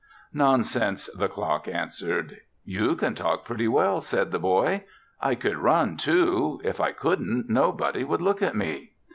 "Nonsense!" the clock answered. "You can talk pretty well," said the boy. "I can run too. If I couldn't, nobody would look at me."